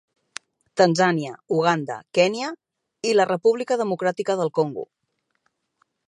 Tanzània, Uganda, Kenya i la República Democràtica del Congo.